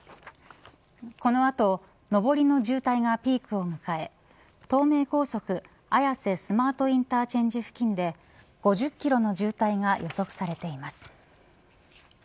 この後上りの渋滞がピークを迎え東名高速綾瀬スマートインターチェンジ付近で５０キロの渋滞が予測されています。